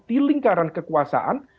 di lingkaran kekuasaan